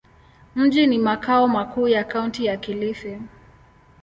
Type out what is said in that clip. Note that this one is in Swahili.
Mji ni makao makuu ya Kaunti ya Kilifi.